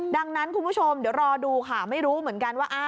ดังนั้นคุณผู้ชมเดี๋ยวรอดูค่ะไม่รู้เหมือนกันว่า